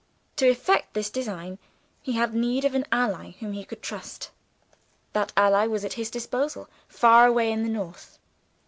To effect this design, he had need of an ally whom he could trust. That ally was at his disposal, far away in the north.